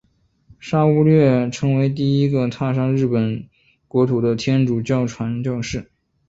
沙勿略成为第一位踏上日本国土的天主教传教士。